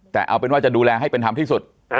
แต่เอาเป็นว่าจะดูแลให้เป็นธรรมที่สุด